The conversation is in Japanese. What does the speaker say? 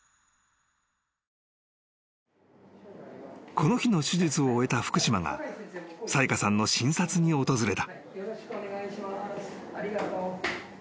［この日の手術を終えた福島が咲花さんの診察に訪れた］